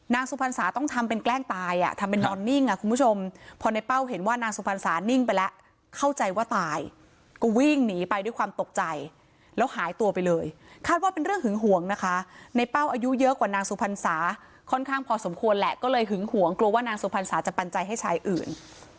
นางสุพรรษาต้องทำเป็นแกล้งตายอ่ะทำเป็นนอนนิ่งอ่ะคุณผู้ชมพอในเป้าเห็นว่านางสุพรรษานิ่งไปแล้วเข้าใจว่าตายก็วิ่งหนีไปด้วยความตกใจแล้วหายตัวไปเลยคาดว่าเป็นเรื่องหึงหวงนะคะในเป้าอายุเยอะกว่านางสุพรรษาค่อนข้างพอสมควรแหละก็เลยหึงหวงกลัวว่านางสุพรรษาจะปันใจให้ชายอื่น